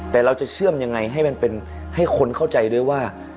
แต่เราจะเชื่อมยังไงให้มันเป็นให้คนเข้าใจด้วยว่า